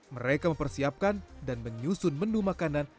mereka mempersiapkan dan menyusun menu makanan